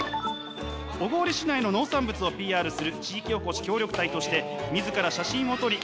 小郡市内の農産物をＰＲする地域おこし協力隊として自ら写真を撮り